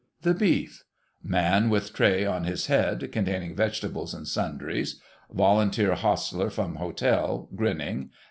THE BEEF. Man with Tray on his head, containing Vegetables and Sundries. Volunteer Hostler from Hotel, grinning.